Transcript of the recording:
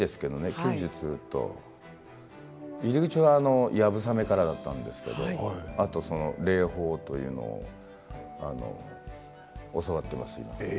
弓術と入り口はやぶさめからだったんですけど礼法というのを教わっています。